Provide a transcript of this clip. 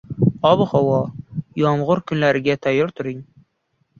Ob havo: Yomg‘irli kunlarga tayyor turing